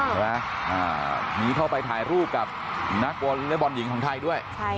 ใช่ไหมหนีเข้าไปถ่ายรูปกับนักวอเล็กบอลหญิงของไทยด้วย